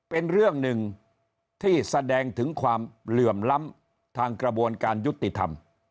เป็นเรื่องหนึ่งที่แสดงถึงความเหลื่อมล้ำทางกระบวนการยุติธรรม